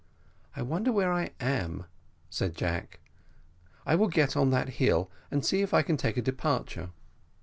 I wonder where I am," said Jack; "I will get on that hill, and see if I can take a departure."